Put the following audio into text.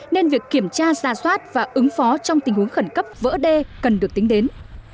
nên việc kiểm tra xà xoát và ứng phó trong tình huống khẩn cấp vỡ đê cần được tính đến